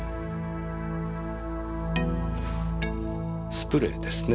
スプレーですね。